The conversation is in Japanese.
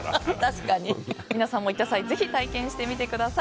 皆さんも行った際にぜひ体験してみてください。